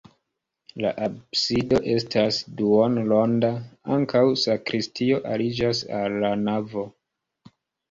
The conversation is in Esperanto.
La absido estas duonronda, ankaŭ sakristio aliĝas al la navo.